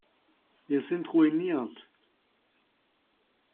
Wir sind ruiniert.